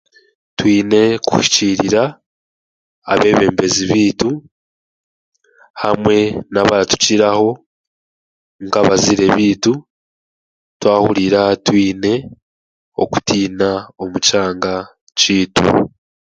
Twine kuhikiirira abeebembezi baitu hamwe n'abaratukiraho nk'abazaire baitu twahurira twine okutiina omu kyanga kyaitu.